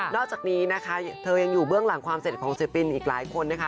อกจากนี้นะคะเธอยังอยู่เบื้องหลังความเสร็จของศิลปินอีกหลายคนนะคะ